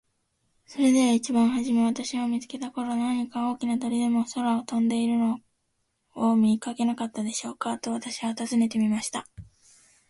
「それでは一番はじめ私を見つけた頃、何か大きな鳥でも空を飛んでいるのを見かけなかったでしょうか。」と私は尋ねてみました。